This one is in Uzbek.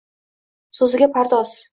so’ziga pardoz.